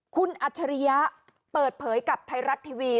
คุณอัจฉริยะเปิดเผยกับไทยรัฐทีวี